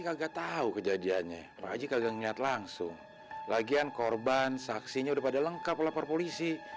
kagak tahu kejadiannya haji kagak nyat langsung lagian korban saksinya pada lengkap lapor polisi